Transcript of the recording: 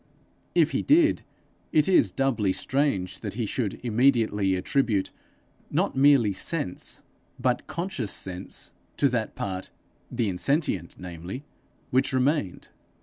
If he did, it is doubly strange that he should immediately attribute not merely sense, but conscious sense, to that part, the insentient, namely, which remained.